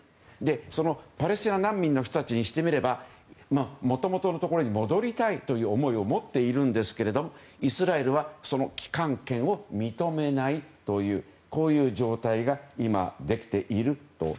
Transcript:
そのパレスチナ難民の人たちにしてみればもともとのところに戻りたいという思いを持っているんですけれどもイスラエルはその帰還権を認めないという状態が今できていると。